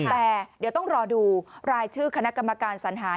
แต่เดี๋ยวต้องรอดูรายชื่อคณะกรรมการสัญหา